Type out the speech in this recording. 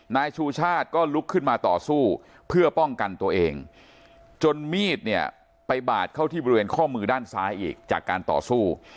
นายชูชาติก็ลุกขึ้นมาต่อสู้เพื่อป้องกันตัวเองจนมีดเนี่ยไปบาดเข้าที่บริเวณข้อมือด้านซ้ายอีกจากการต่อสู้